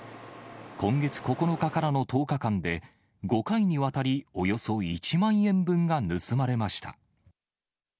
今月９日からの１０日間で、５回にわたり、およそ１万円分が盗まれました。